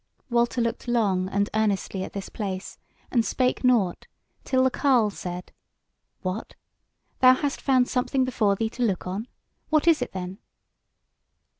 Walter looked long and earnestly at this place, and spake nought, till the carle said: "What! thou hast found something before thee to look on. What is it then?"